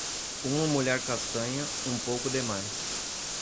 Uma mulher castanha, um pouco demais.